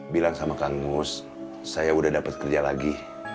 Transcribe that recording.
bilang sama kang gus saya udah dapat kerja lagi